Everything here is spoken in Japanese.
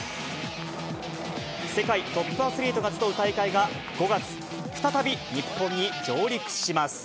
世界トップアスリートが集う大会が５月、再び日本に上陸します。